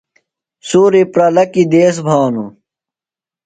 سُوری پرلہ کیۡ دیس بھانوۡ۔